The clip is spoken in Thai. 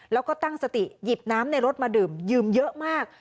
แล้วก็ตั้งสติหยิบน้ำในรถมาดื่มยืมเยอะมาก